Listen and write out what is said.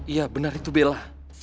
iya benar itu bella